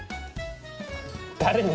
誰に？